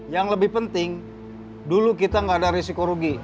yang lebih penting dulu kita nggak ada risiko rugi